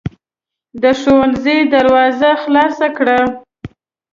د ښوونځي دروازه خلاصه کړه.